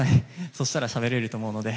そうしたらしゃべれると思うので。